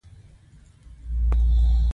د مالیې مامورینو درې ډوله راپورونه چمتو کول.